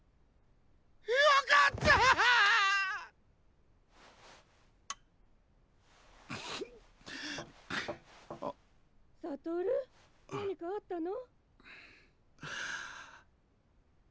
よかった！・・悟何かあったの？